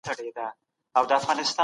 بیا به ګرځئ خوار ؤ زار